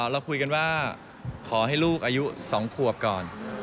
เราคุยกันว่าขอให้ลูกอายุ๒ขวบก่อน